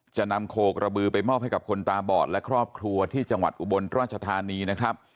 จะนำโคกระบือไปมอบให้กับคนตาบอดและครอบครัวที่จังหวัดอุบลราชธานีนะครับ